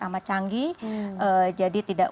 amat canggih jadi tidak